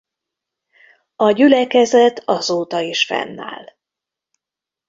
A gyülekezet azóta is fennáll.